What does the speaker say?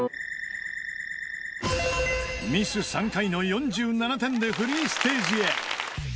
［ミス３回の４７点でフリーステージへ］